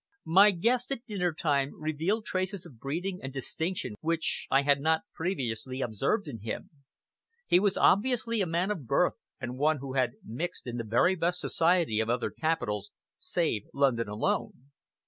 My guest at dinner time revealed traces of breeding and distinction which I had not previously observed in him. He was obviously a man of birth, and one who had mixed in the very best society of other capitals, save London alone.